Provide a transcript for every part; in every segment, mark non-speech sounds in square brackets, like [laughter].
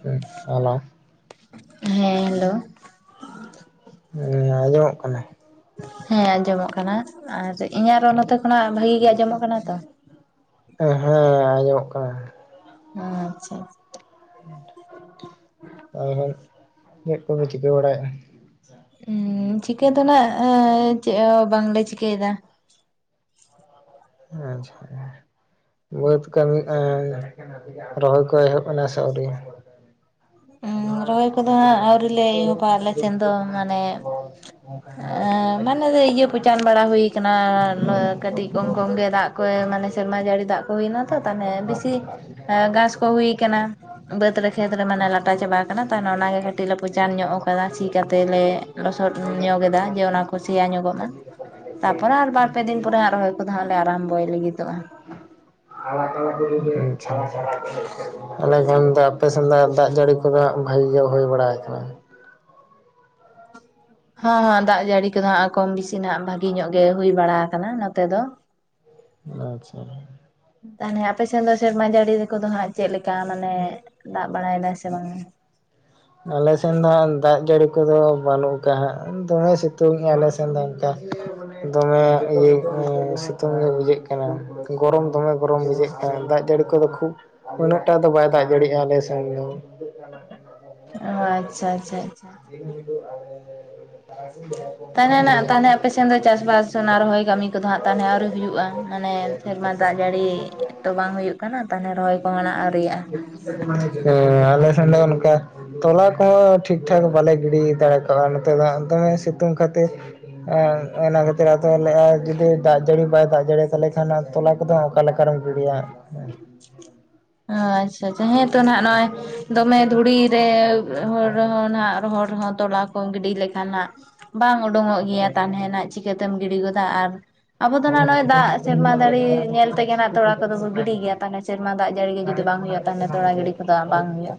ᱦᱮᱸ ᱦᱮᱞᱳ ᱦᱮᱸ ᱦᱮᱞᱳ ᱦᱮᱸ ᱟᱸᱡᱚᱢᱚᱜ ᱠᱟᱱᱟ ᱦᱮᱸ ᱟᱸᱡᱚᱢᱚᱜ ᱠᱟᱱᱟ ᱟᱨ ᱤᱧᱟᱹᱜ ᱨᱚᱲ ᱱᱚᱛᱮ ᱠᱷᱚᱱᱟᱜ ᱵᱷᱟᱹᱜᱤ ᱜᱮ ᱟᱸᱡᱚᱢᱚᱜ ᱠᱟᱱᱟ ᱛᱚ᱾ ᱦᱮᱸ ᱟᱸᱡᱚᱢᱚᱜ ᱠᱟᱱᱟ᱾ ᱟᱪᱪᱷᱟ ᱟᱨ ᱪᱮᱫ ᱠᱚ ᱯᱮ ᱪᱤᱠᱟᱹ ᱵᱟᱲᱟᱭᱮᱜᱼᱟ ᱪᱤᱠᱟᱹ ᱫᱚ ᱱᱟᱜ ᱪᱮᱜᱼᱚ ᱵᱟᱝᱞᱮ ᱪᱤᱠᱟᱹᱭᱮᱫᱟ ᱟᱪᱪᱷᱟ ᱵᱟᱹᱛ ᱠᱟᱹᱢᱤ ᱮᱸ ᱨᱚᱦᱚᱭ ᱠᱚ ᱮᱦᱚᱵ ᱱᱟ ᱥᱮ ᱟᱹᱣᱨᱤ ᱨᱚᱦᱚᱭ ᱠᱚᱫᱚ ᱦᱟᱸᱜ ᱟᱹᱣᱨᱤ ᱞᱮ ᱮᱦᱚᱵᱟ ᱟᱞᱮ ᱥᱮᱱ ᱫᱚ ᱢᱟᱱᱮ [unintelligible] ᱢᱟᱱᱮ ᱫᱚ ᱤᱭᱟᱹ ᱯᱚᱪᱟᱱ ᱵᱟᱲᱟ ᱦᱩᱭᱠᱟᱱᱟ ᱠᱟᱹᱴᱤᱡ ᱠᱚᱢ ᱠᱚᱢ ᱥᱚᱸᱜᱮ ᱫᱟᱜ ᱠᱚ ᱢᱟᱱᱮ ᱥᱮᱨᱢᱟ ᱡᱟᱹᱲᱤ ᱫᱟᱜ ᱠᱚ ᱦᱩᱭ ᱮᱱᱟ ᱛᱚ᱾ ᱛᱟᱦᱚᱞᱮ ᱵᱤᱥᱤ ᱜᱷᱟᱥ ᱠᱚ ᱦᱩᱭ ᱟᱠᱟᱱᱟ᱾ ᱵᱟᱹᱛ ᱨᱮ, ᱠᱷᱮᱛ ᱨᱮ ᱢᱟᱱᱮ ᱞᱟᱴᱟ ᱪᱟᱵᱟ ᱟᱠᱟᱱᱟ ᱛᱮ ᱚᱱᱟᱜᱮ ᱠᱟᱹᱴᱤᱡ ᱞᱮ ᱯᱚᱪᱟᱱ ᱧᱚᱜ ᱠᱟᱫᱟ ᱥᱤ ᱠᱟᱛᱮ ᱞᱮ ᱞᱚᱥᱚᱫ ᱧᱚᱜᱮᱫᱟ ᱡᱮ ᱚᱱᱟ ᱠᱚ᱾ ᱥᱤᱭᱟ ᱧᱚᱜᱚᱜ ᱢᱟ᱾ ᱛᱟᱯᱚᱨᱮ ᱟᱨ ᱵᱟᱨ ᱯᱮ ᱫᱤᱱ ᱯᱚᱨᱮ ᱦᱟᱸᱜ ᱨᱚᱦᱚᱭ ᱠᱚᱫᱚ ᱦᱟᱸᱜ ᱞᱮ ᱟᱨᱟᱢᱵᱚᱭ ᱞᱟᱹᱜᱤᱫᱚᱜᱼᱟ᱾ [unintelligible] ᱦᱚᱞᱟ ᱫᱟᱜ ᱡᱟᱹᱲᱤ ᱠᱚᱫᱚᱣᱟᱜ ᱵᱷᱟᱹᱜᱤ ᱜᱮ ᱦᱩᱭ ᱵᱟᱲᱟ ᱟᱠᱟᱱᱟ᱾ ᱦᱚᱸ ᱦᱚᱸ ᱫᱟᱜ ᱡᱟᱹᱲᱤ ᱠᱚᱫᱚ ᱦᱟᱸᱜ ᱠᱚᱢ ᱵᱤᱥᱤ ᱱᱟᱜ ᱵᱷᱟᱹᱜᱤ ᱧᱚᱜ ᱜᱮ ᱦᱩᱭ ᱵᱟᱲᱟ ᱟᱠᱟᱱᱟ ᱱᱚᱛᱮ ᱫᱚ᱾ ᱟᱪᱪᱷᱟ ᱛᱟᱦᱚᱞᱮ ᱟᱯᱮ ᱥᱮᱱ ᱫᱚ ᱥᱮᱨᱢᱟ ᱡᱟᱹᱲᱤ ᱠᱚᱫᱚ ᱦᱟᱸᱜ ᱪᱮᱫ ᱞᱮᱠᱟ ᱢᱟᱱᱮ ᱫᱟᱜ ᱵᱟᱲᱟᱭ ᱫᱟᱭ ᱥᱮ ᱵᱟᱝᱟ? ᱟᱞᱮ ᱥᱮᱱ ᱫᱚ ᱦᱟᱸᱜ ᱫᱟᱜ ᱡᱟᱹᱲᱤ ᱠᱚᱫᱚ ᱵᱟᱹᱱᱩᱜ ᱠᱟ ᱦᱟᱸᱜ ᱫᱚᱢᱮ ᱥᱤᱛᱩᱝ ᱟᱞᱮ ᱥᱮᱱ ᱫᱚ ᱫᱚᱢᱮ ᱤᱭᱟᱹ ᱮᱸ ᱥᱤᱛᱩᱝ ᱜᱮ ᱵᱩᱡᱷᱟᱹᱜ ᱠᱟᱱᱟ᱾ ᱜᱚᱨᱚᱢ ᱫᱚᱢᱮ ᱜᱚᱨᱚᱢ ᱵᱩᱡᱷᱟᱹᱜ ᱠᱟᱱᱟ ᱫᱟᱜ ᱡᱟᱹᱲᱤ ᱠᱚᱫᱚ ᱠᱷᱩᱵ ᱩᱱᱟᱹᱜ ᱴᱟ ᱫᱚ ᱵᱟᱭ ᱫᱟᱜ ᱡᱟᱲᱤᱭᱟᱜᱼᱟ᱾ᱟᱞᱮ ᱥᱮᱱ ᱫᱚ [unintelligible] ᱚᱸ ᱟᱪᱪᱷᱟ ᱟᱪᱪᱷᱟ ᱟᱪᱪᱷᱟ ᱛᱟᱦᱚᱞᱮ ᱱᱟᱜ ᱛᱟᱦᱚᱞᱮ [unintelligible] ᱟᱯᱮᱥᱮᱱ ᱫᱚ ᱪᱟᱥᱵᱟᱥ ᱚᱱᱟ ᱨᱚᱦᱚᱭ ᱠᱟᱹᱢᱤ ᱠᱚᱫᱚ ᱦᱟᱸᱜ ᱛᱟᱦᱚᱞᱮ ᱟᱹᱣᱨᱤ ᱦᱩᱭᱩᱜᱼᱟ ᱢᱟᱱᱮ [unintelligible] ᱥᱮᱨᱢᱟ ᱫᱟᱜ ᱡᱟᱹᱲᱤ ᱛᱚ ᱵᱟᱝ ᱦᱩᱭᱩᱜ ᱠᱟᱱᱟ᱾ ᱛᱟᱦᱚᱞᱮ ᱨᱚᱦᱚᱭ ᱠᱚ ᱦᱟᱱᱟᱜ ᱟᱹᱣᱨᱤᱭᱟᱜᱼᱟ ᱦᱮᱸ ᱟᱞᱮᱥᱮᱱ ᱫᱚ ᱚᱜᱼᱚᱱᱠᱟ ᱛᱚᱞᱟ ᱠᱚᱦᱚᱸ ᱴᱷᱤᱠ ᱴᱷᱟᱠ ᱵᱟᱞᱮ ᱜᱤᱲᱤ ᱫᱟᱲᱮ ᱠᱟᱣᱜᱼᱟ ᱱᱚᱛᱮ ᱫᱚ ᱦᱟᱸᱜ ᱫᱚᱢᱮ ᱥᱤᱛᱩᱝ ᱠᱷᱟᱹᱛᱤᱨ ᱚᱱᱟ ᱠᱷᱟᱹᱛᱤᱨ ᱟᱫᱚ ᱞᱮᱜᱼᱟᱭ ᱡᱩᱫᱤ ᱫᱟᱜ ᱡᱟᱹᱲᱤ ᱵᱟᱭ ᱫᱟᱜ ᱡᱟᱹᱲᱤ ᱛᱟᱦᱚᱞᱮ ᱠᱷᱟᱱ ᱛᱚᱞᱟ ᱠᱚᱫᱚ ᱦᱟᱸᱜ ᱚᱠᱟ ᱞᱮᱠᱟᱨᱮᱢ ᱜᱤᱲᱤᱭᱟᱜ ᱚ ᱟᱪᱪᱷᱟ ᱟᱪᱷᱟ᱾ᱦᱮᱸ ᱛᱚ ᱱᱟᱦᱟᱜ ᱱᱚᱜᱼᱚᱭ ᱫᱚᱢᱮ ᱫᱷᱩᱲᱤ ᱨᱮ ᱦᱩᱲᱩ ᱨᱮᱦᱚᱸ ᱱᱟᱦᱟᱜ ᱨᱚᱦᱚᱲ ᱨᱮᱦᱚᱸ ᱛᱚᱞᱟ ᱠᱚ ᱜᱤᱰᱤ ᱞᱮᱠᱟᱱᱟᱜ ᱵᱟᱝ ᱳᱰᱳᱝᱚᱜ ᱜᱮᱭᱟ᱾ᱛᱟᱱᱦᱮ ᱱᱟᱜ ᱪᱤᱠᱟᱹᱛᱮᱢ ᱜᱤᱰᱤ ᱜᱚᱫᱟ ᱟᱨ ᱟᱵᱚ ᱫᱚ ᱱᱟᱜ ᱱᱚᱜᱼᱚᱭ ᱫᱟᱜ ᱥᱮᱨᱢᱟ ᱡᱟᱹᱲᱤ ᱧᱮᱞ ᱛᱮᱜᱮ ᱱᱟᱜ ᱛᱚᱲᱟ ᱠᱚᱫᱚ ᱵᱚ ᱜᱤᱰᱤ ᱜᱮᱭᱟ ᱛᱟᱦᱚᱞᱮ ᱥᱮᱨᱢᱟ ᱫᱟᱜ ᱡᱟᱹᱲᱤ ᱜᱮ ᱡᱩᱫᱤ ᱵᱟᱝ ᱦᱩᱭᱩᱜᱼᱟ᱾ᱛᱟᱦᱚᱞᱮ ᱛᱚᱞᱟ ᱜᱟᱹᱰᱤ ᱠᱚᱫᱚ ᱵᱟᱝ ᱦᱩᱭᱩᱜᱼᱟ᱾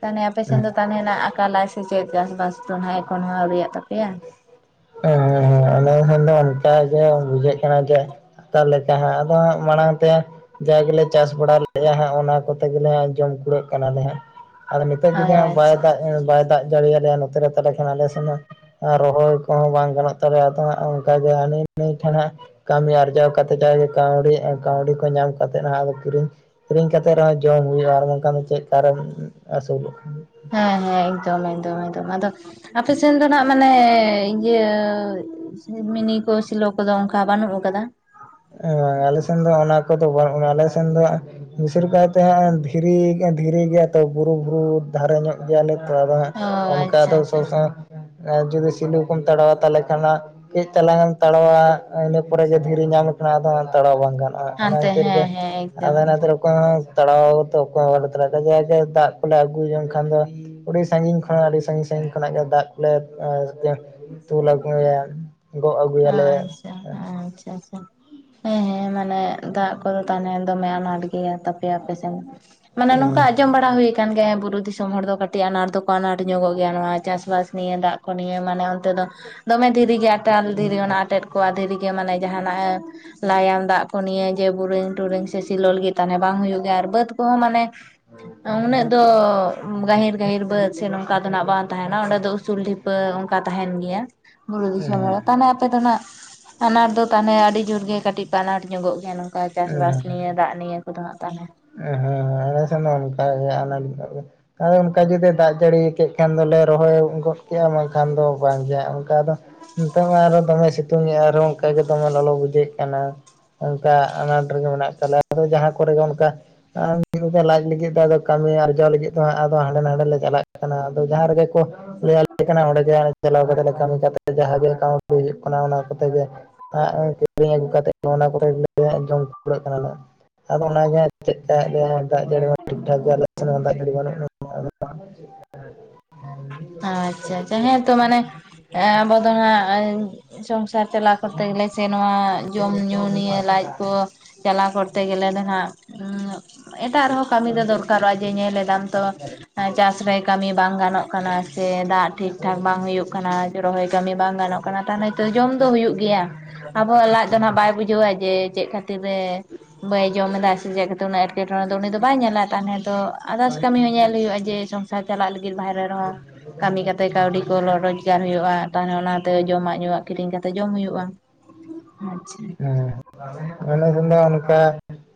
ᱛᱟᱦᱚᱞᱮ ᱟᱯᱮᱥᱮᱱ ᱫᱚ ᱛᱟᱦᱚᱞᱮ ᱟᱠᱟᱞᱟᱭ ᱥᱮ ᱪᱮᱫ? ᱪᱟᱥᱵᱟᱥ ᱫᱚ ᱱᱮ ᱠᱷᱚᱱ ᱦᱚᱸ ᱟᱹᱣᱨᱤᱭᱟᱜ ᱛᱟᱯᱮᱭᱟ ᱦᱮᱸ ᱦᱮᱸ ᱦᱮᱸ ᱟᱞᱮ ᱦᱚᱸᱞᱮ ᱚᱱᱠᱟ ᱜᱮ ᱵᱩᱡᱷᱟᱹᱜ ᱠᱟᱱᱟ ᱡᱮ [unintelligible] ᱞᱮᱠᱟ ᱦᱟᱸᱜ ᱟᱫᱚ ᱦᱟᱸᱜ ᱢᱟᱲᱟᱝ ᱛᱮ ᱡᱟ ᱜᱮᱞᱮ ᱪᱟᱥ ᱵᱟᱲᱟ ᱞᱮᱜᱟ ᱦᱟᱸᱜ ᱚᱱᱟ ᱠᱚᱛᱮ ᱜᱮᱞᱮ ᱡᱚᱢ ᱠᱩᱲᱟᱹᱜ ᱠᱟᱱᱟᱞᱮ ᱦᱟᱸᱜ ᱟᱫᱚ ᱱᱤᱛᱚᱜ ᱡᱩᱫᱤ ᱚ ᱵᱟᱭ ᱟᱪᱪᱷᱟ ᱫᱟᱜ ᱵᱟᱭ ᱫᱟᱜ ᱡᱟᱹᱲ ᱟᱞᱮᱭᱟ᱾ ᱱᱚᱛᱮ ᱨᱮ ᱛᱟᱦᱚᱞᱮ ᱠᱷᱟᱱ ᱟᱞᱮ ᱥᱮᱱᱟᱜ ᱨᱚᱦᱚᱭ ᱠᱚᱦᱚᱸ ᱵᱟᱝ ᱜᱟᱱᱚᱜ ᱛᱟᱞᱮᱭᱟ᱾ᱟᱫᱚ ᱦᱟᱸᱜ ᱚᱱᱠᱟᱜᱮ ᱦᱟᱹᱱᱤ ᱱᱟᱭ ᱴᱷᱮᱱ ᱦᱟᱸᱜ ᱠᱟᱹᱢᱤ ᱟᱨᱡᱟᱣ ᱠᱟᱛᱮ ᱡᱟᱜᱮ ᱠᱟᱹᱣᱰᱤ ᱠᱟᱹᱣᱰᱤ ᱠᱚ ᱧᱟᱢ ᱠᱟᱛᱮ ᱦᱟᱸᱜ ᱟᱫᱚ ᱠᱤᱨᱤᱧ ᱠᱤᱨᱤᱧ ᱠᱟᱛᱮ ᱨᱮᱦᱚᱸ ᱡᱚᱢ ᱦᱩᱭᱩᱜᱼᱟ ᱟᱨ ᱵᱟᱝᱠᱷᱟᱱ ᱫᱚ ᱪᱮᱫ ᱠᱟᱨᱮᱢ ᱟᱥᱩ ᱦᱮᱸ ᱦᱮᱸ ᱮᱠᱫᱚᱢ ᱮᱠᱫᱚᱢ ᱮᱠᱫᱚᱢ ᱟᱫᱚ᱾ ᱟᱯᱮ ᱥᱮᱱ ᱫᱚ ᱱᱟᱜ ᱢᱟᱱᱮ ᱤᱭᱟᱹ ᱢᱤᱱᱤ ᱠᱚ ᱥᱮᱞᱚ ᱠᱚᱫᱚ ᱚᱱᱠᱟ ᱵᱟᱹᱱᱩᱜ ᱟᱠᱟᱫᱟ? [unintelligible] ᱟᱞᱮ ᱥᱮᱱ ᱫᱚ ᱚᱱᱟ ᱠᱚᱫᱚ ᱵᱟᱹᱱᱩᱜᱼᱟ ᱟᱞᱮ ᱥᱮᱱ ᱫᱚ [unintelligible] ᱠᱟᱭᱛᱮ [unintelligible] ᱫᱷᱤᱨᱤ ᱜᱮᱭᱟ ᱛᱚ ᱵᱩᱨᱩ ᱵᱩᱨᱩ ᱫᱷᱟᱨᱮ ᱧᱚᱜ ᱜᱮᱭᱟᱞᱮ ᱛᱚ ᱟᱫᱚ ᱦᱟᱜ ᱚ ᱚᱱᱠᱟ ᱟᱪᱪᱷᱟ ᱫᱚ ᱟᱪᱪᱷᱟ ᱥᱚᱵ ᱟᱪᱪᱷᱟ ᱥᱚᱢᱚᱭ ᱡᱩᱫᱤ ᱥᱤᱞᱩ ᱠᱚᱢ ᱛᱟᱲᱟᱣᱟ ᱛᱟᱦᱚᱞᱮ ᱠᱷᱟᱱ ᱦᱟᱜ ᱠᱟᱹᱡ ᱪᱟᱞᱟᱝ ᱮᱢ ᱛᱟᱲᱟᱣᱟ ᱤᱱᱟᱹ ᱯᱚᱨᱮ ᱜᱮ ᱫᱷᱤᱨᱤ ᱧᱟᱢ ᱞᱮᱠᱷᱟᱱ ᱟᱫᱚ ᱦᱟᱸᱜ ᱛᱟᱲᱟᱣ ᱵᱟᱝ ᱜᱟᱱᱚᱜ ᱦᱚᱭ᱾ ᱚᱱᱟ ᱦᱟᱱᱛᱮ ᱠᱷᱟᱹᱛᱤᱨ ᱦᱮᱸ ᱜᱮ ᱦᱮᱸ ᱮᱠᱫᱚᱢ ᱟᱫᱚ ᱚᱱᱟ ᱮᱠᱫᱚᱢ ᱠᱷᱟᱹᱛᱤᱨ ᱛᱟᱲᱟᱣ ᱫᱚ ᱚᱠᱚᱭ ᱦᱚᱸ ᱵᱟᱞᱮ ᱛᱟᱲᱟᱣ ᱮᱫᱟ ᱡᱟ ᱜᱮ ᱫᱟᱜ ᱠᱚᱞᱮ ᱟᱹᱜᱩ ᱡᱚᱝ ᱠᱷᱟᱱ ᱫᱚ ᱟᱹᱰᱤ ᱥᱟᱺᱜᱤᱧ ᱠᱷᱚᱱ ᱟᱹᱰᱤ ᱥᱟᱺᱟᱹᱜᱤᱧ ᱥᱟᱟᱺᱜᱤᱧ ᱠᱷᱚᱱᱟᱜ ᱜᱮ ᱫᱟᱜ ᱠᱚᱞᱮ ᱫᱩᱞ ᱟᱹᱜᱩᱭᱟ᱾ ᱜᱚᱜ ᱟᱹᱜᱩᱭᱟᱞᱮ᱾ ᱟᱪᱪᱷᱟ ᱟᱪᱪᱷᱟ ᱾ [unintelligible] ᱦᱮᱸ ᱦᱮᱸ ᱢᱟᱱᱮ ᱫᱟᱜ ᱠᱚᱫᱚ ᱛᱟᱦᱚᱞᱮ ᱫᱚᱢᱮ ᱟᱱᱟᱴ ᱜᱮ ᱮᱭᱟ ᱛᱯᱮᱭᱟ ᱟᱯᱮ ᱥᱮᱱ [unintelligible] ᱢᱟᱱᱮ ᱱᱚᱝᱠᱟ ᱦᱮᱸ ᱟᱸᱡᱚᱢ ᱵᱟᱲᱟ ᱦᱩᱭ ᱟᱠᱟᱱ ᱜᱮᱭᱟ ᱦᱮᱸ ᱵᱩᱨᱩ ᱫᱤᱥᱚᱢ ᱦᱚᱲ ᱫᱚ ᱠᱟᱹᱴᱤᱡ ᱟᱱᱟᱴ ᱫᱚ ᱟᱱᱟᱴ ᱧᱚᱜᱚᱜ ᱜᱮᱭᱟ ᱱᱚᱣᱟ ᱪᱟᱥ ᱵᱟᱥ ᱱᱤᱭᱮ ᱫᱟᱜ ᱠᱚ ᱱᱤᱭᱮ ᱢᱟᱱᱮ ᱚᱱᱛᱮ ᱫᱚ ᱫᱚᱢᱮ ᱫᱷᱤᱨᱤ ᱜᱮ ᱟᱴᱟᱞ ᱫᱷᱤᱨᱤ ᱚᱱᱟ ᱟᱴᱮᱫ ᱠᱚᱜ-ᱟ ᱫᱷᱤᱨᱤ ᱜᱮ ᱢᱟᱱᱮ ᱡᱟᱦᱟᱱᱟᱜ ᱮ ᱞᱟᱭᱟᱢ ᱫᱟᱜ ᱠᱚ ᱱᱤᱭᱮ ᱡᱮ ᱵᱩᱨᱝ ᱴᱩᱨᱤᱝ ᱥᱮ ᱥᱤᱞᱚ ᱞᱟᱹᱜᱤᱫ ᱛᱟᱦᱞᱮ ᱵᱟᱝ ᱦᱩᱭᱩᱜ ᱜᱮᱭᱟ ᱟᱨ ᱵᱟᱹᱫ ᱠᱚᱦᱚᱸ ᱢᱟᱱᱮ ᱩᱱᱟᱹᱜ ᱫᱚ ᱜᱟᱹᱦᱤᱨ ᱜᱟᱹᱦᱤᱨ ᱵᱟᱹᱫ ᱥᱮ ᱱᱚᱝᱠᱟ ᱫᱚ ᱦᱟᱸᱜ ᱵᱟᱝ ᱛᱟᱦᱮᱱᱟ ᱾ᱚᱸᱰᱮ ᱫᱚ ᱩᱥᱩᱞ ᱰᱷᱤᱯ ᱟᱹ ᱚᱱᱠᱟ ᱛᱟᱦᱮᱱ ᱜᱮᱭᱟ ᱵᱩᱨᱩ ᱫᱤᱥᱚᱢ ᱦᱮᱸ ᱦᱚᱲᱟᱜ᱾ ᱛᱟᱦᱚᱞᱮ ᱟᱯᱮ ᱫᱟ ᱦᱸᱟᱜ ᱟᱱᱟᱴ ᱫᱚ ᱛᱟᱦᱚᱞᱮ ᱟᱹᱰᱤ ᱡᱳᱨ ᱜᱮ ᱠᱟᱹᱴᱤᱡ ᱯᱮ ᱟᱱᱟᱴ ᱧᱚᱜᱚᱜ ᱠᱟᱱᱟ᱾ ᱚᱱᱠᱟ ᱪᱟᱥ ᱵᱟᱥ ᱱᱤᱭᱮ ᱫᱟᱜ ᱱᱤᱭᱟᱹ ᱠᱚᱫᱚ ᱦᱟᱜ ᱛᱟᱦᱞᱮ ᱦᱮᱸ ᱦᱮᱸ ᱦᱮᱸ ᱟᱞᱮ ᱥᱮᱱ ᱫᱚ ᱚᱱᱠᱟ ᱜᱮ ᱟᱱᱟᱴ ᱟᱨ ᱚᱱᱠᱟ ᱡᱩᱫᱤ ᱫᱟᱜ ᱡᱟᱹᱲᱤ ᱠᱮᱫ ᱠᱷᱟᱱ ᱫᱚᱞᱮ ᱨᱚᱦᱚᱭ ᱜᱚᱫ ᱠᱮᱜᱼᱟ ᱵᱟᱝᱠᱷᱟᱱ ᱫᱚ ᱵᱟᱝ ᱜᱮ ᱚᱱᱠᱟ ᱫᱚ ᱱᱤᱛᱚᱝ ᱢᱟ ᱟᱨᱚ ᱫᱚᱢᱮ ᱥᱤᱛᱩᱝᱮᱫᱼᱟ ᱟᱨᱦᱚ ᱚᱱᱠᱟᱜᱮ ᱫᱚᱢᱮ ᱞᱚᱞᱚ ᱵᱩᱡᱷᱟᱹᱜ ᱠᱟᱱᱟ᱾ ᱚᱱᱠᱟ ᱟᱱᱟᱴ ᱨᱮᱜᱮ ᱢᱮᱱᱟᱜ ᱟᱠᱟᱫ ᱞᱮᱭᱟ ᱟᱫᱚ ᱡᱟᱦᱟᱸ ᱠᱚᱨᱮ ᱜᱮ ᱚᱱᱠᱟ ᱟᱨ ᱢᱤᱫ ᱢᱚᱠᱟ ᱞᱟᱡ ᱞᱟᱹᱜᱤᱫ ᱫᱚ ᱠᱟᱹᱢᱤ ᱟᱨᱡᱟᱣ ᱞᱟᱹᱜᱤᱫ ᱫᱚ ᱦᱟᱸᱜ ᱦᱟᱸᱰᱮ ᱱᱟᱰᱮ ᱞᱮ ᱪᱟᱞᱟᱜ ᱠᱟᱱᱟ ᱟᱫᱚ ᱡᱟᱦᱟᱸ ᱨᱮᱜᱮ ᱠᱚ ᱞᱟᱹᱭ ᱟᱞᱮ ᱠᱟᱱᱟ ᱚᱸᱰᱮ ᱜᱮ ᱪᱟᱞᱟᱣ ᱠᱟᱛᱮ ᱞᱮ ᱠᱟᱹᱢᱤ ᱠᱟᱛᱮ ᱡᱟᱦᱟᱸ ᱜᱮ ᱠᱟᱣᱰᱤ ᱦᱩᱭᱩᱜ ᱠᱟᱱᱟ ᱚᱱᱟ ᱠᱚᱛᱮ ᱜᱮ ᱟᱨ ᱠᱤᱨᱤᱧ ᱟᱹᱜᱩ ᱠᱟᱛᱮᱫ ᱚᱱᱟ ᱠᱚᱨᱮ ᱜᱮᱞᱮ ᱡᱚᱢ ᱠᱩᱲᱟᱹᱜ ᱠᱟᱱᱟ ᱞᱮ᱾ ᱟᱫᱚ ᱚᱱᱟᱱᱜᱮ ᱪᱮᱫ ᱞᱮᱠᱟ ᱮᱫ ᱞᱮᱭᱟᱭ [unintelligible] ᱫᱟᱜ ᱡᱟᱹᱲᱤ ᱢᱟ ᱴᱷᱤᱠ ᱴᱷᱟᱠ ᱫᱟᱜ ᱡᱟᱹᱲᱤ ᱵᱟᱹᱱᱩᱜ ᱟ᱾ [unintelligible] ᱟᱪᱪᱷᱟ ᱟᱪᱪᱷᱟ᱾ ᱦᱮᱸᱛᱚ ᱢᱟᱱᱮ ᱟᱵᱚ ᱫᱚ ᱦᱟᱜ ᱥᱚᱝᱥᱟᱨ ᱪᱟᱞᱟᱣ ᱠᱚᱨᱛᱮ ᱜᱮᱞᱮ ᱥᱮ ᱱᱚᱣᱟ ᱡᱚᱢ ᱧᱩ ᱱᱤᱭᱟᱹ ᱞᱟᱡ ᱠᱚ ᱪᱟᱞᱟᱣ ᱠᱚᱨᱛᱮ ᱜᱮᱞᱮ ᱱᱟᱦᱟᱜ [unintelligible] ᱮᱴᱟᱜ ᱨᱮᱦᱚᱸ ᱠᱟᱹᱢᱤ ᱫᱚ ᱫᱚᱨᱠᱟᱨᱚᱜᱼᱟ ᱡᱮ ᱧᱮᱞ ᱮᱫᱟᱢ ᱛᱚ ᱪᱟᱥ ᱨᱮ ᱠᱟᱹᱢᱤ ᱵᱟᱝ ᱜᱟᱱᱚᱜ ᱠᱟᱱᱟ ᱥᱮ ᱫᱟᱜ ᱴᱷᱤᱠ ᱴᱷᱟᱠ ᱵᱟᱝ ᱦᱩᱭᱩᱜ ᱠᱟᱱᱟ ᱨᱚᱦᱚᱭ ᱠᱟᱹᱢᱤ ᱵᱟᱝ ᱜᱟᱱᱚᱜ ᱠᱟᱱᱟ ᱛᱟᱦᱚᱞᱮ ᱛᱚ ᱡᱚᱢ ᱫᱚ ᱦᱩᱭᱩᱜ ᱜᱮᱭᱟ᱾ ᱟᱵᱚᱣᱟᱜ ᱞᱟᱡ ᱫᱚ ᱦᱟᱸᱜ ᱵᱟᱭ ᱵᱩᱡᱷᱟᱹᱣᱟ ᱡᱮ ᱪᱮᱫ ᱠᱷᱟᱹᱛᱤᱨ ᱮ ᱵᱟᱭ ᱡᱚᱢ ᱮᱫᱟ ᱥᱮ ᱪᱮᱫ ᱮᱴᱠᱮ ᱴᱚᱬᱮ ᱫᱚ ᱩᱱᱤ ᱫᱚ ᱵᱟᱭ ᱧᱮᱞᱟ ᱛᱟᱦᱚᱞᱮ ᱛᱚ ᱟᱫᱟᱨᱥ ᱠᱟᱹᱢᱤ ᱦᱚᱸ ᱧᱮᱞ ᱦᱩᱭᱩᱜᱼᱟ ᱡᱮ ᱥᱚᱝᱥᱟᱨ ᱪᱟᱞᱟᱜ ᱞᱟᱹᱜᱤᱫ ᱵᱟᱷᱨᱮ ᱠᱟᱹᱢᱤ ᱠᱟᱛᱮᱫ ᱠᱟᱹᱣᱰᱤ ᱠᱚ [unintelligible] ᱨᱚᱡᱽᱜᱟᱨ ᱦᱩᱭᱩᱜᱼᱟ᱾ ᱛᱟᱦᱚᱞᱮ ᱚᱱᱟᱛᱮ ᱡᱚᱢᱟᱜ ᱧᱩᱣᱟᱜ ᱠᱤᱨᱤᱧ ᱠᱟᱛᱮ ᱡᱚᱢ ᱦᱩᱭᱩᱜᱼᱟ᱾ [unintelligible] ᱟᱪᱷᱟ᱾ ᱦᱩᱸ᱾ ᱮᱱᱮ ᱦᱤᱞᱚᱜ ᱚᱱᱠᱟ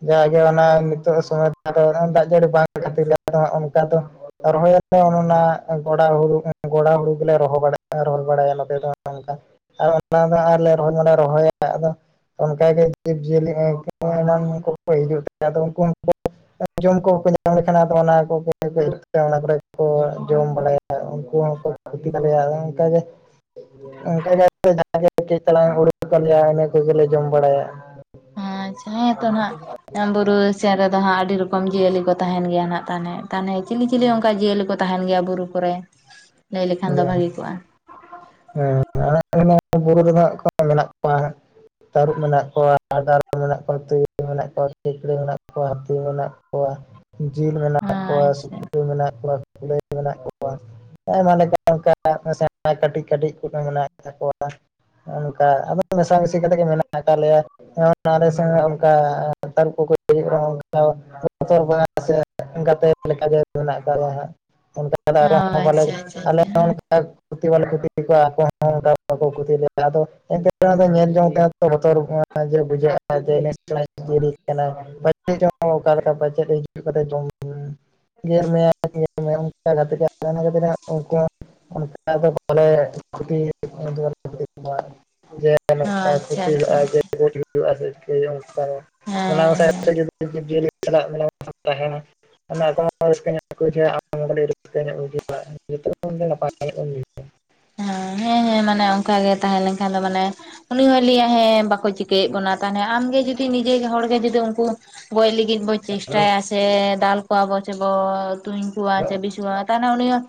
ᱡᱟ ᱜᱮ ᱚᱱᱟ ᱱᱤᱛᱚᱜ ᱥᱚᱢᱚᱭ ᱫᱟᱜ ᱡᱟᱹᱲᱤ ᱵᱟᱝ ᱠᱷᱟᱹᱛᱤᱨ ᱚᱱᱠᱟ ᱫᱚ ᱨᱚᱦᱚᱭ ᱦᱚᱛᱚ ᱚᱱᱮ ᱚᱱᱟ ᱜᱚᱰᱟ ᱦᱩᱲᱩ [unintelligible] [unintelligible] ᱜᱮᱞᱮ ᱨᱚᱦᱚᱭ ᱵᱟᱲᱟᱭᱟ [unintelligible] [unintelligible] ᱱᱚᱛᱮ ᱫᱚ ᱚᱱᱠᱟ ᱟᱨ ᱚᱱᱟ ᱫᱚ ᱦᱟᱸᱜ ᱞᱮ ᱨᱚᱦᱚᱭ ᱢᱟᱞᱮ ᱨᱚᱦᱚᱭᱟ ᱟᱫᱚ ᱚᱱᱠᱟᱜᱮ ᱡᱤᱵᱽᱡᱤᱭᱟᱹᱞᱤ ᱮᱢᱟᱱ ᱠᱚᱠᱚ ᱦᱤᱡᱩᱜ ᱛᱮ ᱟᱫᱚ ᱩᱱᱠᱩ ᱦᱚᱠᱚ ᱡᱚᱢ ᱠᱚᱠᱚ ᱧᱟᱢ ᱞᱮᱠᱷᱟᱱ ᱟᱫᱚ ᱚᱱᱟ ᱠᱚᱜᱮ ᱚᱱᱟ ᱠᱚᱨᱮ ᱠᱚ ᱡᱚᱢ ᱵᱟᱲᱟᱭᱟ᱾ ᱩᱱᱠᱩ ᱦᱚᱸᱠᱚ ᱵᱷᱟᱹᱲᱛᱤ ᱛᱟᱞᱮᱭᱟ ᱟᱫᱚ ᱚᱱᱠᱟᱜᱮ ᱚᱱᱠᱟ ᱜᱮ ᱟᱞᱮ ᱫᱚ ᱡᱟᱷᱟ ᱜᱮ ᱠᱟᱹᱴᱤᱡ ᱪᱟᱞᱟᱝ ᱦᱩᱭᱩᱜ ᱛᱟᱞᱮᱭᱟ ᱤᱱᱟᱹ ᱠᱚᱜᱮᱞᱮ ᱡᱚᱢ ᱵᱟᱲᱟᱭᱟ᱾ ᱟᱪᱪᱷᱟ ᱦᱮᱸ ᱛᱚ ᱱᱟᱦᱟᱜ ᱵᱩᱨᱩ ᱥᱮᱱ ᱨᱮ ᱫᱚ ᱦᱟᱸᱜ ᱟᱹᱰᱤ ᱨᱚᱠᱚᱢ ᱡᱤᱭᱟᱹᱞᱤ ᱠᱚ ᱛᱟᱦᱮᱱ ᱜᱮᱭᱟ ᱦᱟᱸᱜ ᱛᱟᱦᱚᱞᱮ ᱛᱟᱦᱚᱞᱮ ᱪᱤᱞᱤ ᱪᱤᱞᱤ ᱚᱱᱠᱟ ᱡᱤᱭᱟᱹᱞᱤ ᱠᱚ ᱛᱟᱦᱮᱱ ᱜᱮᱭᱟ ᱵᱩᱨᱩ ᱠᱚᱨᱮ [unintelligible] ᱞᱟᱹᱭ ᱞᱮᱠᱷᱟᱱ ᱫᱚ ᱵᱷᱟᱹᱜᱮ ᱠᱚᱜᱼᱟ᱾ ᱦᱮᱸ [unintelligible] ᱵᱩᱨᱩ ᱨᱮᱫᱚ ᱦᱟᱸᱜ ᱢᱮᱱᱟᱜ ᱠᱚᱣᱟ ᱦᱟᱸᱜ᱾ ᱛᱟᱹᱨᱩᱵ ᱢᱮᱱᱟᱜ ᱠᱚᱣᱟ ᱦᱟᱰᱟᱨ ᱢᱮᱱᱟᱜ ᱠᱚᱣᱟ ᱛᱩᱭᱩ ᱢᱮᱱᱟᱜ ᱠᱚᱣᱟ ᱥᱩᱠᱨᱤ ᱢᱮᱱᱟᱜ ᱠᱚᱣᱟ ᱦᱟᱹᱛᱤ ᱢᱮᱱᱟᱜ ᱠᱚᱣᱟ ᱾ ᱠᱚᱣᱟ ᱡᱤᱞ ᱢᱮᱱᱟᱜ ᱠᱚᱣᱟ ᱟᱪᱪᱷᱟ ᱥᱩᱠᱨᱤ ᱾ ᱢᱮᱱᱟᱜ ᱠᱚᱣᱟ ᱠᱩᱞᱟᱹᱭ ᱢᱮᱱᱟᱜ ᱠᱚᱣᱟ ᱟᱭᱢᱟ ᱞᱮᱠᱟ ᱾ ᱚᱱ ᱚᱱᱠᱟ ᱥᱮᱬᱟ ᱥᱮᱬᱟ ᱠᱟᱹᱴᱤᱡ ᱠᱟᱹᱴᱤᱡ ᱠᱚ ᱢᱮᱱᱟᱜ ᱛᱟᱠᱚᱣᱟ ᱾ ᱚᱱᱠᱟ ᱟᱫᱚ ᱢᱮᱥᱟ ᱢᱤᱥᱤ ᱠᱟᱛᱮᱫ ᱜᱮ ᱢᱮᱱᱟᱜ ᱟᱠᱟᱫ ᱞᱮᱭᱟ ᱾ ᱟᱞᱮ ᱥᱮᱱ ᱦᱚᱸ ᱚᱱᱠᱟ ᱛᱟᱨᱩᱵᱽ ᱠᱚᱠᱚ ᱦᱤᱡᱩᱜ ᱠᱟᱱᱟ ᱚᱱᱠᱟ ᱥᱮ ᱜᱟᱛᱮ ᱞᱮᱠᱟᱜᱮ ᱢᱮᱱᱟᱜ ᱟᱠᱟᱫᱟ ᱚ ᱦᱟᱸᱜ ᱵᱟᱞᱮ ᱟᱪᱪᱷᱟ ᱟᱪᱪᱷᱟ ᱟᱞᱮ ᱟᱪᱪᱷᱟ ᱦᱚᱸ ᱵᱟᱞᱮ ᱠᱷᱚᱛᱤ ᱠᱚᱣᱟ ᱟᱠᱚ ᱦᱚᱸ ᱚᱱᱠᱟ ᱵᱟᱠᱚ ᱠᱷᱚᱛᱤ ᱞᱮᱭᱟ ᱟᱫᱚ ᱮᱱᱛᱮ ᱚᱱᱟ ᱫᱚ ᱧᱮᱞ ᱡᱚᱝ ᱛᱮ ᱵᱚᱛᱚᱨ ᱜᱮ ᱵᱩᱡᱷᱟᱹᱜᱼᱟ ᱡᱮ ᱯᱟᱪᱮᱫ ᱪᱚᱝ ᱚᱠᱟ ᱞᱮᱠᱟ ᱜᱮᱮᱫ ᱢᱮ ᱢᱮ ᱚᱱᱠᱟᱛᱮ ᱩᱱᱠᱩ ᱦᱚᱸ ᱚᱱᱠᱟ ᱫᱚ ᱵᱟᱞᱮ ᱚ ᱟᱪᱪᱷᱟ ᱟᱪᱪᱷᱟ ᱟᱪᱪᱷᱟ ᱦᱮᱸ ᱦᱮᱸ [inaudible] [inaudible] [inaudible] [inaudible] ᱦᱮᱸ ᱦᱮᱸ ᱢᱟᱱᱮ ᱚᱱᱠᱟ ᱜᱮ ᱛᱟᱦᱮᱸ ᱞᱮᱱᱠᱷᱟᱱ ᱫᱚ ᱢᱟᱱᱮ ᱩᱱᱤ ᱦᱚᱸᱭ ᱞᱟᱹᱭᱟ ᱦᱮᱸ ᱵᱟᱠᱚ ᱪᱤᱠᱟᱹᱭᱮᱫ ᱵᱚᱱᱟ ᱛᱟᱦᱚᱞᱮ ᱟᱢᱜᱮ ᱡᱩᱫᱤ ᱱᱤᱡᱮ ᱦᱚᱲᱜᱮ ᱡᱩᱫᱤ ᱩᱱᱠᱩ ᱜᱚᱡᱽ ᱞᱟᱜᱤᱫ ᱵᱚ ᱪᱮᱥᱴᱟᱭᱟ ᱥᱮ ᱫᱟᱞ ᱠᱚᱣᱟ ᱵᱚ ᱪᱮ ᱵᱚ ᱛᱩᱧ ᱠᱚᱣᱟᱪᱮ ᱵᱤᱥ ᱵᱚ ᱮᱢᱟᱠᱚᱣᱟ ᱛᱟᱦᱞᱮ ᱩᱱᱤ ᱦᱚᱸ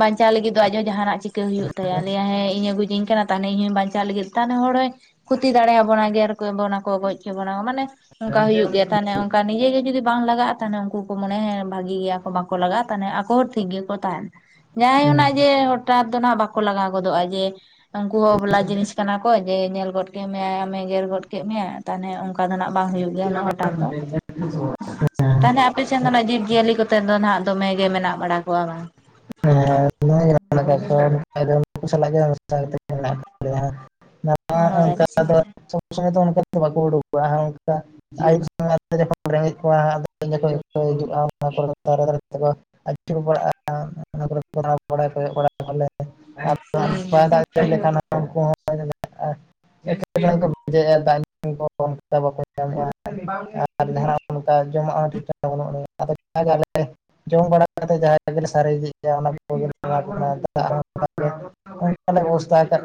ᱵᱟᱧᱪᱟᱣ ᱞᱟᱹᱜᱤᱫ ᱫᱚ ᱟᱡ ᱦᱚᱸ ᱡᱟᱦᱟᱱᱟᱜ ᱪᱤᱠᱟᱹ ᱦᱩᱭᱩᱜ ᱛᱟᱭᱟ ᱞᱮᱭᱟᱭ ᱦᱮᱸ ᱤᱧᱮ ᱜᱩᱡᱤᱧ ᱠᱟᱱᱟ ᱛᱟᱦᱱᱮ ᱤᱧ ᱦᱚᱸ ᱵᱟᱧᱪᱟᱜ ᱞᱟᱹᱜᱤᱫ ᱛᱟᱦᱱᱮ ᱦᱚᱲᱦᱚᱭ ᱠᱷᱩᱚᱴᱛᱤ ᱫᱟᱲᱮᱭᱟᱵᱚᱱᱟ ᱜᱮᱨ ᱠᱚ ᱵᱚᱱᱟ ᱠᱚ ᱜᱚᱡᱽ ᱠᱮᱵᱚᱱᱟ ᱠᱚ ᱢᱟᱱᱮ ᱾ ᱚᱱᱠᱟ ᱦᱩᱭᱩᱜ ᱜᱮᱭᱟ ᱛᱟᱦᱚᱞᱮ ᱚᱱᱠᱟ ᱱᱤᱡᱮᱜ ᱜᱮ ᱡᱩᱫᱤ ᱵᱟᱝ ᱞᱟᱜᱟᱜᱼᱟ ᱛᱟᱦᱚᱞᱮ ᱩᱱᱠᱩ ᱠᱚ ᱢᱚᱱᱮᱭᱟ ᱦᱮᱸ ᱵᱷᱟᱹᱜᱤ ᱜᱮᱭᱟ ᱠᱚ ᱵᱟᱠᱚ ᱞᱟᱜᱟᱜᱼᱟ ᱛᱟᱦᱚᱞᱮ ᱟᱠᱚ ᱦᱚᱸ ᱴᱷᱤᱠ ᱜᱮᱠᱚ ᱛᱟᱦᱮᱱᱟ ᱾ ᱡᱟᱦᱟᱸᱟᱭ ᱩᱱᱟᱜ ᱡᱮ ᱦᱚᱴᱟᱛ ᱫᱚ ᱱᱦᱟᱜ ᱵᱟᱠᱚ ᱞᱟᱜᱟᱣ ᱜᱚᱫᱚᱜᱼᱟ ᱡᱮ ᱾ ᱩᱱᱠᱩ ᱦᱚᱸ ᱚᱵᱞᱟ ᱡᱤᱱᱤᱥ ᱠᱟᱱᱟ ᱠᱚ ᱡᱮ ᱧᱮᱞ ᱜᱚᱫ ᱠᱮᱫ ᱢᱮᱭᱟᱭ ᱟᱢᱮ ᱜᱮᱨ ᱜᱚᱫ ᱠᱮᱫ ᱢᱮᱟᱭ ᱛᱟᱦᱚᱞᱮ ᱚᱱᱠᱟ ᱫᱚ ᱱᱟᱜ ᱵᱟᱝ ᱦᱩᱭᱩᱜ ᱾ ᱜᱮ ᱩᱱᱟᱹᱜ ᱦᱚᱴᱟᱛ ᱫᱚ ᱛᱟᱦᱚᱞᱮ ᱟᱯᱮᱥᱮᱱ ᱫᱚ ᱱᱟᱜ ᱡᱤᱵᱽ ᱡᱤᱭᱟᱹᱞᱤ ᱠᱚᱛᱮ ᱫᱚ ᱱᱟᱜ ᱫᱚᱢᱮ ᱜᱮ ᱢᱮᱱᱟᱜ ᱵᱟᱲᱟ ᱠᱚᱣᱟ ᱵᱟᱝ? ᱦᱮ ᱚ ᱚᱱᱠᱟ ᱟᱪᱪᱷᱟ ᱫᱚ ᱟᱪᱪᱷᱟ ᱥᱚᱵ ᱥᱚᱢᱚᱭ ᱫᱚ ᱚᱱᱠᱟ ᱵᱟᱠᱚ ᱩᱰᱩᱠᱚᱜᱼᱟ ᱚᱱᱠᱟ ᱾ [inaudible] [inaudible] ᱚᱱᱟ ᱠᱚᱨᱮ ᱜᱮᱠᱚ ᱦᱩᱸ ᱦᱩᱸ ᱪᱠᱱᱟᱜ ᱦᱚᱲ ᱠᱚᱦᱚᱸ ᱾ ᱮ ᱠᱚ ᱵᱷᱡᱟᱭᱮᱫᱟ ᱫᱟᱜ ᱧᱩ ᱠᱚ ᱵᱟᱠᱚ ᱧᱟᱢᱚᱜᱼᱟ ᱾ ᱟᱨ ᱡᱟᱦᱱᱟᱜ ᱚᱱᱠᱟ ᱡᱚᱢᱟᱜᱼᱟ ᱴ ᱵᱟᱹᱱᱩᱜ ᱟ ᱡᱟᱭ ᱡᱚᱢ ᱵᱟᱲᱟ ᱠᱟᱛᱮᱫ ᱡᱟᱦᱟᱸ ᱜᱮᱞᱮ ᱥᱟᱨᱡ ᱤᱫᱤᱜᱼᱟ ᱚᱱᱟ ᱠᱚᱜᱮᱞᱮ ᱮᱢ ᱵᱟᱲᱟᱣᱟᱠᱚ ᱠᱟᱱᱟ ᱾ ᱚᱱᱠᱟ ᱞᱮ ᱵᱮᱵᱚᱥᱛᱟ ᱟᱠᱟᱫ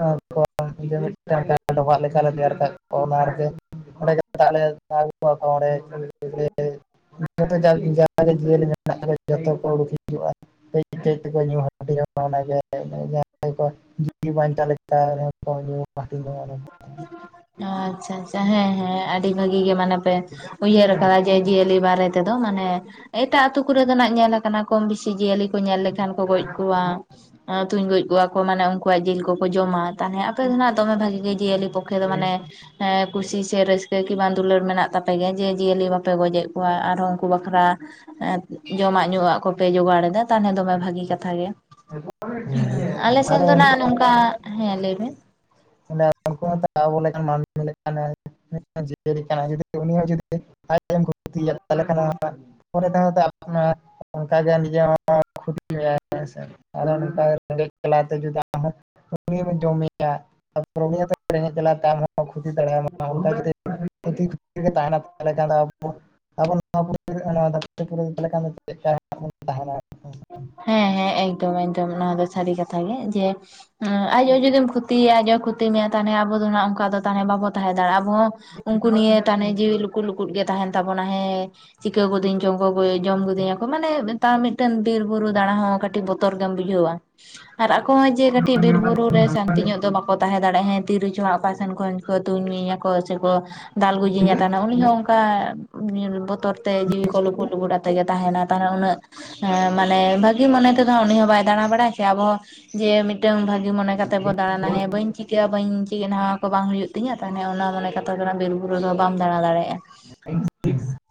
ᱢᱤᱫᱴᱟᱝ ᱰᱚᱵᱷᱟᱜ ᱞᱮᱠᱟᱛᱮ ᱛᱮᱭᱟᱨ ᱟᱠᱟᱫ ᱠᱚᱣᱟ ᱚᱱᱟ ᱨᱮᱜᱮ ᱚᱸᱰᱮ ᱜᱮ ᱫᱟᱜ ᱞᱮ ᱡᱚᱛᱚ ᱯᱚᱨᱜᱮ ᱡᱚᱦᱟᱨ ᱪᱮᱫ ᱛᱮᱠᱚ ᱧᱩ ᱦᱟᱹᱴᱤᱧᱟ ᱚᱱᱟᱜᱮ ᱤᱱᱟᱹᱜᱤ ᱦᱟᱸᱜ ᱡᱤᱣᱤ ᱵᱟᱧᱪᱟᱣ ᱞᱮᱠᱟ ᱧᱩ ᱦᱟᱹᱴᱤᱧ ᱡᱚᱸᱜᱟ ᱾ ᱟᱪᱪᱷᱟ ᱟᱪᱪᱷᱟ ᱦᱮᱸ ᱦᱮᱸ ᱟᱹᱰᱤ ᱵᱷᱟᱹᱜᱤ ᱜᱮ ᱢᱟᱱᱮ ᱯᱮ ᱩᱭᱦᱟᱹᱨ ᱟᱠᱟᱫᱟ ᱡᱮ ᱾ ᱡᱤᱭᱟᱹᱞᱤ ᱵᱟᱨᱮ ᱛᱮᱫᱚ ᱢᱟᱱᱮ ᱮᱴᱟᱜ ᱟᱛᱩ ᱠᱚᱨᱮ ᱫᱚ ᱱᱟᱜ ᱧᱮᱞ ᱠᱟᱱᱟ ᱠᱚᱢ ᱵᱮᱥᱤ ᱡᱤᱭᱟᱹᱞᱤ ᱠᱩ ᱧᱮᱞ ᱞᱮᱠᱷᱟᱱ ᱠᱚ ᱜᱚᱡ ᱠᱚᱣᱟ ᱛᱩᱧ ᱜᱚᱡ ᱠᱚᱣᱟ ᱠᱚ ᱢᱟᱱᱮ ᱩᱱᱠᱩᱣᱟᱜ ᱡᱤᱞ ᱠᱚᱠᱚ ᱡᱚᱢᱟ ᱾ ᱛᱟᱦᱚᱞᱮ ᱟᱯᱮ ᱫᱚ ᱱᱟᱜ ᱫᱚᱢᱮ ᱵᱷᱟᱜᱤ ᱜᱮ ᱡᱤᱭᱟᱹᱞᱤ ᱯᱚᱠᱠᱷᱮ ᱫᱚ ᱢᱟᱱᱮ ᱦᱮᱸ ᱠᱩᱥᱤ ᱥᱮ ᱨᱟᱹᱥᱠᱟᱹ ᱠᱤ ᱵᱟᱝ ᱫᱩᱞᱟᱹᱲ ᱢᱮᱱᱟᱜ ᱛᱟᱯᱮ ᱜᱮᱭᱟ ᱡᱮ ᱡᱤᱭᱟᱹᱞᱤ ᱵᱟᱯᱮ ᱜᱚᱡᱮᱫ ᱠᱚᱣᱟ ᱟᱨᱦᱚᱸ ᱩᱱᱠᱩ ᱵᱟᱠᱷᱨᱟ ᱦᱮᱸ ᱡᱚᱢᱟᱜ ᱧᱩᱣᱟᱜ ᱠᱚᱯᱮ ᱡᱚᱜᱟᱲ ᱮᱫᱟ ᱾ ᱛᱟᱦᱚᱞᱮ ᱫᱚᱢᱮ ᱵᱷᱟᱜᱤ ᱠᱟᱛᱷᱟ ᱜᱮ, ᱟᱞᱮ ᱥᱮᱱ ᱫᱚ ᱟᱫᱚ ᱱᱟᱜ ᱱᱚᱝᱠᱟ ᱦᱮᱸ ᱞᱟᱹᱭᱵᱤᱱ ᱢᱟᱱᱮ ᱩᱱᱠᱩ ᱦᱚᱛᱚ ᱟᱵᱚ ᱞᱮᱠᱟᱱ ᱢᱟᱱᱢᱤ ᱞᱮᱠᱟᱱ ᱡᱤᱭᱟᱹᱞᱤ ᱠᱟᱱᱟᱭ, ᱩᱱᱤ ᱦᱚᱸ ᱡᱩᱫᱤ ᱟᱡ ᱛᱮᱢ [unintelligible] ᱛᱟᱦᱚᱞᱮ ᱠᱷᱟᱱ ᱦᱚᱸ ᱯᱚᱨᱮ ᱛᱮ ᱦᱚᱸ [unintelligible] ᱚᱱᱠᱟ ᱜᱮ ᱱᱤᱡᱮ ᱦᱚᱸ [unintelligible] ᱢᱮᱭᱟ ᱦᱮ ᱥᱮ ᱟᱨᱦᱚ ᱱᱚᱝᱠᱟ ᱨᱮᱜᱮᱡ ᱡᱟᱞᱟ ᱛᱮ ᱡᱩᱫᱤ ᱟᱢ ᱦᱚᱸ ᱩᱱᱤᱢ ᱡᱚᱢᱮᱭᱟ, ᱛᱟᱯᱚᱨ ᱩᱱᱤ ᱦᱚᱛᱚ ᱨᱮᱸᱜᱮᱡ ᱡᱟᱞᱟ ᱛᱮ ᱟᱢ ᱦᱚᱸᱛᱚᱭ ᱠᱷᱩᱛᱤ ᱫᱟᱲᱮᱭᱟᱢᱟ ᱾ ᱚᱱᱠᱟ ᱠᱷᱩᱛᱤ ᱠᱷᱩᱛᱤ ᱨᱮᱜᱮ ᱛᱟᱦᱮᱱᱟ ᱛᱟᱦᱞᱮ ᱟᱵᱚ ᱟᱵᱚᱱ ᱱᱚᱣᱟᱵᱚᱱ [unintelligible] ᱪᱮᱫ ᱠᱟ ᱱᱟᱜ ᱵᱚᱱ ᱛᱟᱦᱮᱱᱟ? ᱦᱮᱸ ᱦᱮᱸ ᱮᱠᱫᱚᱢ ᱮᱠᱫᱚᱢ ᱱᱚᱣᱟ ᱫᱚ ᱥᱟᱹᱨᱤ ᱠᱟᱛᱷᱟ ᱜᱮ ᱾ ᱡᱮ ᱦᱮᱸ ᱟᱡ ᱦᱚ ᱡᱩᱫᱤᱢ ᱠᱷᱚᱛᱤᱭᱮᱭᱟ ᱟᱡ ᱦᱚᱸ ᱠᱷᱚᱛᱤ ᱢᱮᱭᱟ ᱛᱟᱦᱚᱞᱮ ᱟᱵᱚ ᱫᱚ ᱱᱟᱜ ᱚᱱᱠᱟ ᱫᱚ ᱛᱟᱦᱞᱮ ᱵᱟᱵᱚ ᱛᱟᱦᱮᱸ ᱫᱟᱲᱮᱭᱟᱜ-ᱟ ᱟᱵᱚ ᱦᱚᱸ ᱩᱱᱠᱩ ᱱᱤᱭᱮ ᱛᱮ ᱦᱟᱱᱮ ᱡᱤᱣᱤ ᱞᱩᱠᱩ ᱞᱩᱼ ᱼᱠᱩᱫ ᱜᱮ ᱛᱟᱦᱮᱱ ᱛᱟᱵᱚᱱᱟ ᱦᱮᱸ ᱪᱤᱠᱟᱹ ᱜᱚᱫᱤᱧ ᱪᱚᱝ ᱠᱚ ᱡᱚᱢ ᱜᱚᱫᱤᱧ‌ ᱟᱠᱚ ᱢᱟᱱᱮ [unintelligible] ᱢᱤᱫ ᱵᱤᱨ ᱵᱩᱨᱩ ᱫᱟᱬᱟ ᱦᱚᱸ ᱠᱟᱹᱴᱤᱡ ᱵᱚᱛᱚᱨ ᱜᱮᱢ ᱵᱩᱡᱷᱟᱹᱣᱟ ᱾ ᱟᱨ ᱟᱠᱚ ᱦᱚᱸ ᱡᱮ ᱠᱟᱹᱴᱤᱡ ᱵᱤᱨ ᱵᱩᱨᱩ ᱨᱮ ᱥᱟᱱᱛᱤ ᱧᱚᱜ ᱫᱚ ᱵᱟᱠᱚ ᱛᱟᱦᱮᱸ ᱫᱟᱲᱮᱭᱟᱜᱼᱟ ᱾ ᱦᱮᱸ ᱛᱤᱨᱮ ᱪᱚ ᱦᱟᱸᱜ ᱚᱠᱟ ᱥᱮᱱ ᱠᱷᱚᱱ ᱠᱚ ᱛᱩᱧ ᱢᱤᱭᱟ ᱠᱚ ᱥᱮ ᱠᱚ ᱫᱟᱞ ᱜᱩᱡᱤᱧᱟ ᱛᱟᱱᱟ ᱩᱱᱤ ᱦᱚᱸ ᱚᱱᱠᱟ ᱵᱚᱛᱚᱨ ᱛᱮ ᱡᱤᱣᱤ ᱠᱚ ᱞᱩᱠᱩᱫ ᱞᱩᱠᱩᱫ ᱟᱛᱮ ᱜᱮ ᱛᱟᱦᱮᱱᱟ ᱛᱟᱦᱚᱞᱮ ᱩᱱᱟᱹᱜ ᱢᱟᱱᱮ ᱵᱷᱟᱹᱜᱤ ᱢᱚᱱᱮ ᱛᱮᱫᱚ ᱦᱟᱸᱜ ᱩᱱᱤ ᱦᱚᱸ ᱵᱟᱭ ᱫᱟᱬᱟ ᱵᱟᱲᱟᱭᱟ ᱥᱮ ᱟᱵᱚ ᱦᱚᱸ ᱡᱮ ᱢᱤᱫᱴᱟᱝ ᱵᱷᱟᱹᱜᱤ ᱢᱚᱱᱮ ᱠᱟᱼ ᱼᱛᱮ ᱵᱚ ᱫᱟᱬᱟᱱᱟ ᱦᱮ ᱵᱟᱹᱧ ᱪᱤᱠᱟᱹᱜ-ᱟ ᱵᱟᱹᱧ ᱪᱮᱫ ᱱᱚᱣᱟ ᱠᱚ ᱵᱟᱝ ᱦᱩᱭᱩᱜ ᱛᱤᱧᱟᱹ ᱛᱟᱦᱚᱞᱮ ᱚᱱᱟ ᱢᱟᱱᱮ ᱠᱟᱛᱮ ᱫᱚ ᱵᱤᱨᱵᱩᱨᱩ ᱫᱚ ᱵᱟᱢ ᱫᱟᱬᱟ ᱫᱟᱲᱮᱭᱟᱜᱼᱟ ᱾ [inaudible]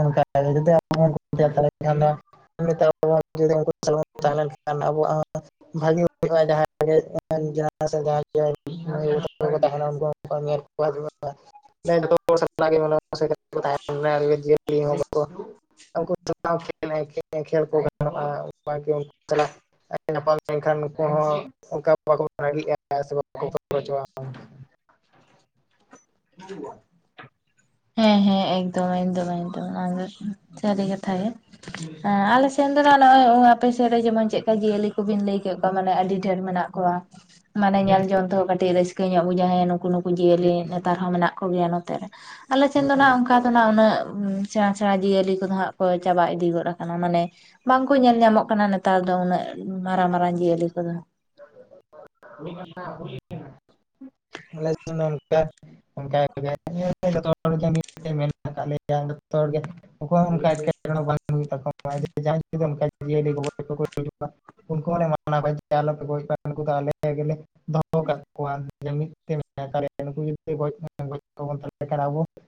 ᱚᱱᱠᱟ ᱛᱟᱦᱚᱞᱮ ᱡᱩᱫᱤ [unintelligible] ᱛᱟᱦᱚᱞᱮ ᱠᱷᱟᱱᱫᱚ [unintelligible] ᱛᱟᱦᱮᱸ ᱞᱮᱱᱠᱷᱟᱱ ᱟᱵᱚᱣᱟᱜ ᱦᱚᱸ ᱵᱷᱟᱜᱤ ᱦᱩᱭᱩᱜ-ᱟ [unintelligible] ᱛᱟᱦᱮᱱᱟ ᱩᱱᱠᱩ [unintelligible] ᱡᱮ ᱩᱱᱤ ᱦᱚ ᱵᱟᱠᱚ [unintelligible] ᱩᱱᱠᱩ ᱥᱟᱞᱟᱜ ᱦᱚ ᱠᱷᱮᱞ ᱟᱭ ᱠᱷᱮᱞ ᱟᱭ ᱠᱷᱮᱞ ᱠᱚ ᱜᱟᱱᱚᱜᱼᱟ ᱩᱱᱠᱩ ᱥᱟᱞᱟᱜ [unintelligible] ᱧᱟᱯᱟᱢ ᱞᱮᱱᱠᱷᱟᱱ ᱩᱱᱠᱩ ᱦᱚᱸ ᱚᱱᱠᱟ ᱵᱟᱠᱚ ᱨᱟᱹᱜᱤᱜᱼᱟ ᱥᱮ ᱵᱟᱠᱚ [unintelligible] [inaudible] [inaudible] ᱦᱮᱸ ᱦᱮᱸ ᱮᱠᱫᱚᱢ ᱮᱠᱫᱚᱢ ᱮᱠᱫᱚᱢ ᱥᱟᱹᱨᱤ ᱠᱟᱛᱷᱟ ᱜᱮ ᱟᱞᱮ ᱥᱮᱫ ᱫᱚ ᱱᱟᱦᱟᱜ ᱱᱚᱜᱼᱚᱭ ᱟᱯᱮ ᱥᱮᱫ ᱨᱮ ᱡᱮᱢᱚᱱ ᱪᱮᱫ ᱠᱟ ᱡᱤᱭᱟᱹᱞᱤ ᱠᱚ ᱵᱤᱱ ᱞᱟᱹᱭ ᱠᱮᱫ ᱠᱚᱣᱟ ᱢᱟᱱᱮ ᱟᱹᱰᱤ ᱰᱷᱮᱨ ᱢᱮᱱᱟᱜ ᱠᱚᱣᱟ ᱾ ᱢᱟᱱᱮ ᱧᱮᱞ ᱡᱚᱝ ᱛᱮᱦᱚᱸ ᱠᱟᱹᱴᱤᱡ ᱨᱟᱹᱥᱠᱟᱹ ᱧᱚᱜ ᱵᱩᱡᱷᱟᱹᱜ-ᱟ ᱱᱩᱠᱩ ᱱᱩᱠᱩ ᱡᱤᱭᱟᱹᱞᱤ ᱱᱮᱛᱟᱨ ᱦᱚᱸ ᱢᱮᱱᱟᱜ ᱠᱚ ᱜᱮᱭᱟ ᱱᱚᱛᱮ ᱨᱮ ᱾ ᱟᱞᱮ ᱥᱮᱱ ᱫᱚ ᱱᱟᱜ ᱚᱱᱠᱟ ᱫᱚ ᱱᱟᱜ ᱩᱱᱟᱹᱜ ᱥᱮᱬᱟ ᱥᱮᱬᱟ ᱡᱤᱭᱟᱹᱞᱤ ᱠᱚ ᱫᱚ ᱦᱟᱸᱜ ᱠᱚ ᱪᱟᱵᱟ ᱤᱫᱤ ᱜᱚᱫ ᱟᱠᱟᱱᱟ ᱢᱟᱱᱮ ᱵᱟᱝ ᱠᱚ ᱧᱮᱞ ᱧᱟᱢᱚᱜ ᱠᱟᱱᱟ ᱱᱮᱛᱟᱨ ᱫᱚ ᱩᱱᱟᱹᱜ ᱢᱟᱨᱟᱝ ᱢᱟᱨᱟᱝ ᱡᱤᱭᱟᱹᱞᱤ ᱠᱚ ᱫᱚ [inaudible] [inaudible] [unintelligible] ᱞᱮᱭᱟ ᱡᱚᱛᱚ ᱦᱚᱲ ᱜᱮ ᱾ ᱚᱠᱚᱭ ᱦᱚᱸ ᱚᱱᱠᱟ ᱮᱴᱠᱮᱴᱚᱬᱮ ᱵᱟᱝ ᱦᱩᱭᱩᱜ ᱛᱟᱠᱚᱣᱟ [unintelligible] ᱡᱤᱭᱟᱹᱞᱤ ᱠᱚ ᱜᱚᱡ [unintelligible] ᱩᱱᱠᱩ ᱦᱚᱸᱞᱮ ᱢᱟᱱᱟ [unintelligible] ᱟᱞᱚ ᱯᱮ ᱜᱚᱡ ᱠᱚᱣᱟ ᱩᱱᱠᱩ ᱫᱚ ᱟᱞᱮ ᱜᱮᱞᱮ ᱫᱚᱦᱚ ᱠᱟᱜ ᱠᱚᱣᱟ [unintelligible] [unintelligible]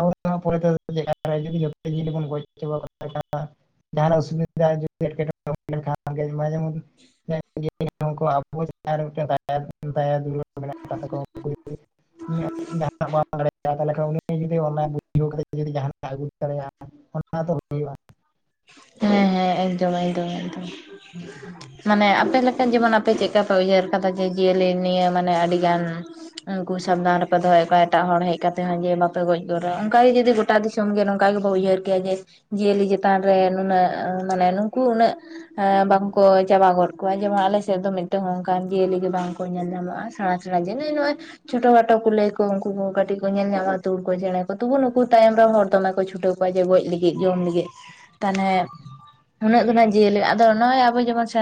ᱟᱵᱚ ᱱᱚᱣᱟ ᱯᱚᱨᱮ ᱛᱮᱫᱚ ᱪᱮᱫ ᱞᱮᱠᱟ [unintelligible] ᱡᱷᱚᱛᱚ ᱡᱤᱭᱟᱹᱞᱤ ᱵᱚᱱ ᱜᱚᱡ ᱪᱟᱵᱟ ᱠᱚᱣᱟ ᱛᱟᱦᱞᱮ ᱠᱷᱟᱱ ᱢᱟ ᱡᱟᱦᱟ ᱱᱟᱜ ᱚᱥᱩᱵᱤᱫᱷᱟ ᱡᱩᱫᱤ ᱮᱴᱠᱮᱴᱚᱬᱮ ᱦᱩᱭ ᱞᱮᱱ ᱠᱷᱟᱱ [unintelligible] [unintelligible] ᱟᱵᱚ ᱪᱮᱛᱟᱱ ᱨᱮ [unintelligible] ᱫᱟᱭᱟ ᱫᱩᱞᱟᱹᱲ [unintelligible] [unintelligible] ᱡᱩᱫᱤ ᱚᱱᱟ ᱵᱩᱡᱷᱟᱹᱣ ᱠᱟᱛᱮ [unintelligible] ᱡᱟᱦᱟᱱᱟᱜ ᱟᱹᱜᱩ ᱫᱟᱲᱮᱭᱟᱜᱼᱟ [unintelligible] ᱚᱱᱟ ᱫᱚ [unintelligible] ᱦᱩᱭᱩᱜᱼᱟ ᱦᱮᱸ ᱦᱮᱸ ᱮᱠᱫᱚᱢ ᱮᱠᱫᱚᱢ ᱮᱠᱫᱚᱢ ᱾ ᱢᱟᱱᱮ ᱟᱯᱮ ᱞᱮᱠᱟᱱ ᱡᱮᱢᱚᱱ ᱟᱯᱮ ᱪᱮᱫ ᱠᱟ ᱯᱮ ᱩᱭᱦᱟᱹᱨ ᱠᱟᱫᱟ ᱡᱮ ᱡᱤᱭᱟᱹᱞᱤ ᱱᱤᱭᱟᱹ ᱢᱟᱱᱮ ᱟᱹᱰᱤ ᱜᱟᱱ ᱩᱱᱠᱩ ᱥᱟᱵᱫᱟᱱ ᱨᱮᱯᱮ ᱫᱚᱦᱚᱭᱮᱫ ᱠᱚᱣᱟ ᱮᱴᱟᱜ ᱦᱚᱲ ᱦᱮᱡ ᱠᱟᱛᱮ ᱡᱮ ᱵᱟᱯᱮ ᱜᱚᱡ ᱠᱚ ᱨᱮᱦᱚ ᱚᱱᱠᱟ ᱜᱮ ᱡᱩᱫᱤ ᱜᱚᱴᱟ ᱫᱤᱥᱚᱢ ᱜᱮ ᱱᱚᱝᱠᱟ ᱜᱮᱵᱚᱱ ᱩᱭᱟᱦᱟᱹᱨ ᱠᱮᱭᱟ ᱡᱮ ᱡᱤᱭᱟᱹᱞᱤ ᱪᱮᱛᱟᱱ ᱨᱮ ᱱᱩᱱᱟᱹᱜ ᱢᱟᱱᱮ ᱱᱩᱠᱩ ᱩᱱᱟᱹᱜ [unintelligible] ᱵᱟᱝ ᱠᱚ ᱪᱟᱵᱟ ᱜᱚᱫ ᱠᱚᱣᱟ ᱡᱮᱢᱚᱱ ᱟᱞᱮ ᱥᱮᱫ ᱫᱚ ᱢᱤᱫ ᱴᱟ. ᱝ ᱚᱱᱠᱟᱱ ᱡᱤᱭᱟᱹᱞᱤ ᱜᱮ ᱵᱟᱝ ᱠᱚ ᱧᱮᱞ ᱧᱟᱢᱚᱜᱼᱟ ᱥᱮᱬᱟ [unintelligible] ᱪᱷᱴᱳ ᱠᱷᱟᱴᱳ ᱠᱩᱞᱟᱹᱭ ᱠᱚ ᱩᱱᱠᱩ ᱠᱚ ᱠᱟᱹᱴᱤᱡ ᱠᱚ ᱧᱮᱞ ᱧᱟᱢᱟ ᱛᱩᱲ ᱠᱚ ᱪᱮᱬᱮ ᱠᱚ ᱛᱚᱵᱩ ᱱᱩᱠᱩ ᱛᱟᱭᱚᱢ ᱨᱮᱱ ᱦᱚᱲ ᱫᱚᱢᱮ ᱠᱚ ᱪᱷᱩᱴᱟᱹᱣ ᱚᱠᱚᱭ ᱫᱚ ᱜᱚᱡ ᱞᱟᱹᱜᱤᱫ ᱡᱚᱢ ᱞᱟᱹᱜᱤᱫ ᱛᱟᱱᱮ ᱩᱱᱟᱹᱜ ᱫᱚᱱᱟᱜ ᱡᱤᱭᱟᱹᱞᱤ ᱟᱫᱚ ᱱᱚᱜ ᱚᱭ ᱟᱵᱚ ᱡᱮᱢᱚᱱ [inaudible]